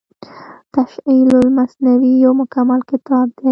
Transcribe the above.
تشعيل المثنوي يو مکمل کتاب دی